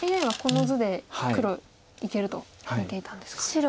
ＡＩはこの図で黒いけると見ていたんですか。